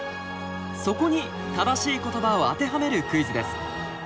そこに正しい言葉を当てはめるクイズです。